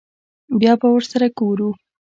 بيا به ورسره گورو.